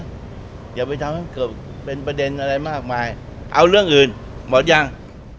เดี๋ยวไปทำกับเป็นประเด็นอะไรมาออกมากเอาเรื่องอื่นหมดยัง